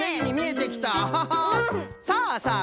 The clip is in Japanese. さあさあ